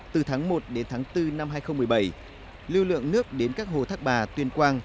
từ tháng một đến tháng bốn năm hai nghìn một mươi bảy lưu lượng nước đến các hồ thác bà tuyên quang